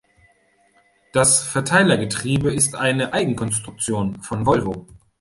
Das Verteilergetriebe ist eine Eigenkonstruktion von Volvo.